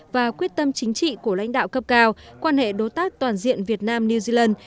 và quyết tâm chính trị của lãnh đạo cấp cao quan hệ đối tác toàn diện việt nam new zealand